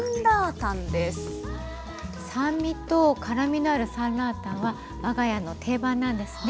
酸味と辛みのあるサンラータンは我が家の定番なんですね。